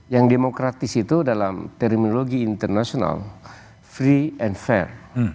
yang demokratis itu dalam terminologi international free and fair